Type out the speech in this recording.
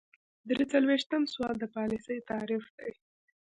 درې څلویښتم سوال د پالیسۍ تعریف دی.